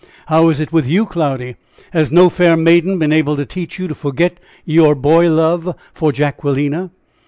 How is it with you, Cloudy? Has no fair maiden been able to teach you to forget your boy love for Jacquelina?"